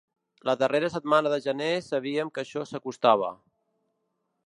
La darrera setmana de gener sabíem que això s’acostava.